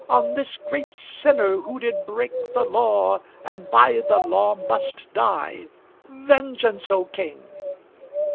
On this great sinner, who did break The law, and by the law must die! Vengeance, O King!"